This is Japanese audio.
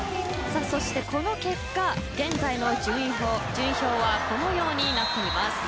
この結果、現在の順位表はこのようになっています。